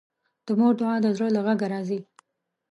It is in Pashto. د مور دعا د زړه له غږه راځي